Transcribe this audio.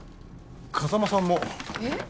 風間さんもえっ？